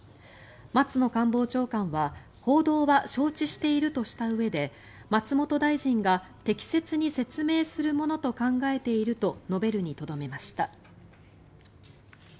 松野官房長官は報道は承知しているとしたうえで松本大臣が適切に説明するものと考えていると述べるにとどめました。